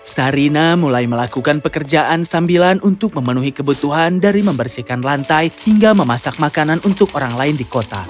sarina mulai melakukan pekerjaan sambilan untuk memenuhi kebutuhan dari membersihkan lantai hingga memasak makanan untuk orang lain di kota